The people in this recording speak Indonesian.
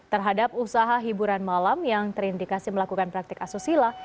terhadap usaha hiburan malam yang terindikasi melakukan praktik asusila